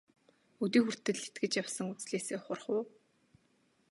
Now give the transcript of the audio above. Өдий хүртэл итгэж явсан үзлээсээ ухрах уу?